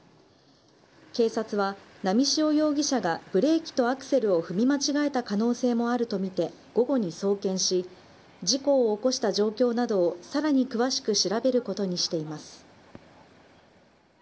警察は、波汐容疑者がブレーキとアクセルを踏み間違えた可能性もあると見て、午後に送検し、事故を起こした状況などをさらに詳しく調べることにしています。